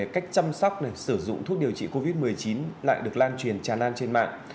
các thông tin giả về cách chăm sóc sử dụng thuốc điều trị covid một mươi chín lại được lan truyền tràn lan trên mạng